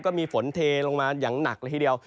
ก็มีฝนเทลงมาอย่างหนักเลยทีเดียว